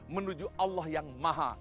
menuju allah yang maha